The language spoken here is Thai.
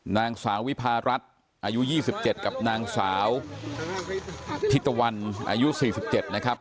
นางสาววิพารัฐอายุ๒๗กับนางสาวพิตะวันอายุ๔๗นะครับ